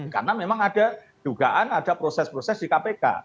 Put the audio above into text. karena memang ada dugaan ada proses proses di kpk